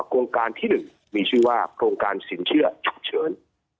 โครงการที่๑มีชื่อว่าโครงการสินเชื่อฉุกเฉิน